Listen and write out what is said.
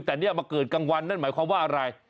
แต่เนี่ยมาเกิดกลางวันนั่นหมายความว่าอะไร